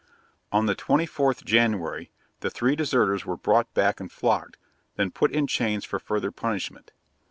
On the 24th January, the three deserters were brought back and flogged, then put in irons for further punishment.